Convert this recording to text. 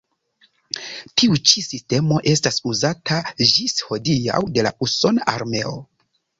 Tiu ĉi sistemo estas uzata ĝis hodiaŭ de la usona armeo.